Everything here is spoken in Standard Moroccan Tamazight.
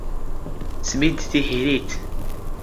ⵙⴱⵉⴷⴷ ⵜⵉⵀⵉⵔⵉⵜ.